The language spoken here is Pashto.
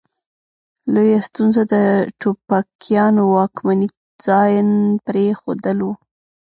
لویه ستونزه د ټوپکیانو واکمني ځان پرې ښودل وه.